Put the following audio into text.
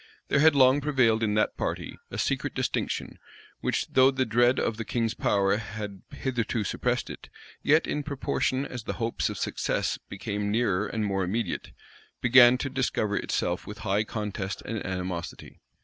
There had long prevailed in that party a secret distinction, which, though the dread of the king's power had hitherto suppressed it, yet, in proportion as the hopes of success became nearer and more immediate, began to discover itself with high contest and animosity.